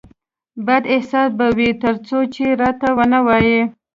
بد احساس به وي ترڅو چې راته ونه وایې